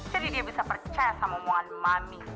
jadi dia bisa percaya sama one mommy